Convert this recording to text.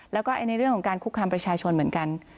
แล้วก็ในเรื่องของการคุกคามประชาชนเหมือนกัน